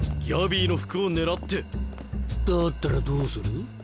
ギャビーの服を狙って⁉だったらどうする？